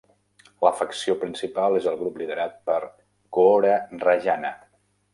La facció principal és el grup liderat per Koora Rajanna.